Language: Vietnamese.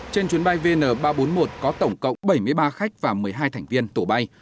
trên chuyến bay vn ba trăm bốn mươi một có tổng cộng bảy mươi ba khách và một mươi hai thành viên tổ bay